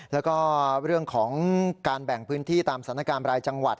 แล้วก็เรื่องของการแบ่งพื้นที่ตามสถานการณ์รายจังหวัด